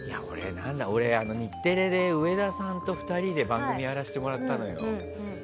俺、日テレで上田さんと２人で番組やらせてもらったのよ。